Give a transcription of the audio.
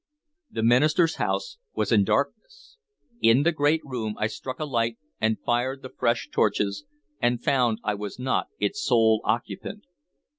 The minister's house was in darkness. In the great room I struck a light and fired the fresh torches, and found I was not its sole occupant.